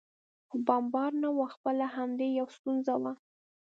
خو بمبار نه و، خپله همدې یو ستونزه وه.